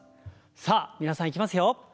さあ皆さんいきますよ。